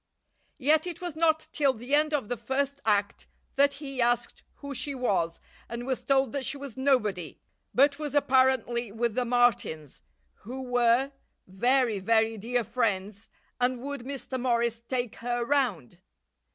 Yet it was not till the end of the first act that he asked who she was and was told that she was nobody, but was apparently with the Martins, who were very, very dear friends, and would Mr Morris take her round?